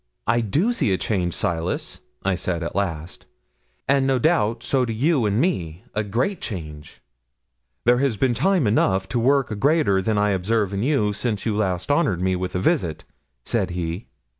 '"I do see a change, Silas," I said at last; "and, no doubt, so do you in me a great change." '"There has been time enough to work a greater than I observe in you since you last honoured me with a visit," said he.